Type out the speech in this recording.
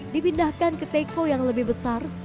dipindahkan ke teko yang lebih besar